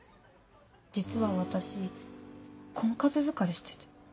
実は私婚活疲れしてて。